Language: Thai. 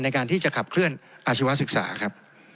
ในการที่จะขับเคลื่อนอาชีวศึกษาครับ